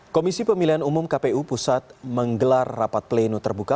komisi pemilihan umum kpu pusat menggelar rapat pleno terbuka